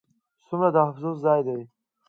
ځومره د افسوس ځاي دي